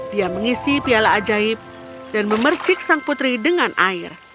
dia mengisi piala ajaib dan memercik sang putri dengan air